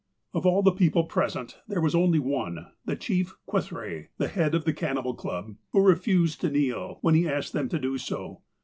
Of all the people present, there was only one, the Chief Quthray, the head of the cannibal club, who refused to kneel, when he asked them to do so.